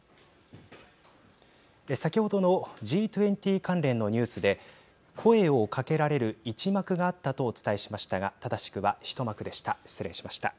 先ほどのＧ２０関連のニュースで声をかけられるいち幕があったとお伝えしましたが正しくは、ひと幕でした。